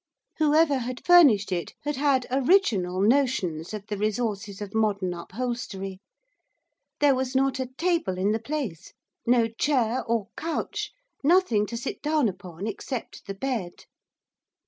Whoever had furnished it had had original notions of the resources of modern upholstery. There was not a table in the place, no chair or couch, nothing to sit down upon except the bed.